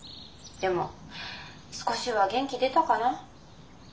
でも少しは元気出たかな。